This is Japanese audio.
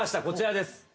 こちらです。